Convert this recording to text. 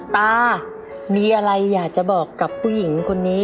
ตามีอะไรอยากจะบอกกับผู้หญิงคนนี้